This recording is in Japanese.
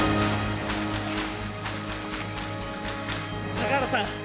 高原さん。